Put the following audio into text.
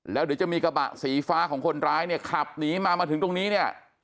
แล้วเดี๋ยวจะมีกระบะสีฟ้าของคนร้ายเนี่ยขับหนีมามาถึงตรงนี้เนี่ย